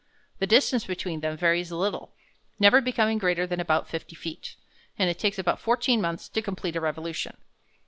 The distance between them varies a little, never becoming greater than about fifty feet, and it takes about fourteen months to complete a revolution.